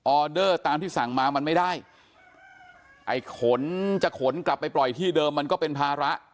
เดอร์ตามที่สั่งมามันไม่ได้ไอ้ขนจะขนกลับไปปล่อยที่เดิมมันก็เป็นภาระ